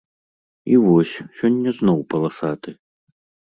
І вось, сёння зноў паласаты!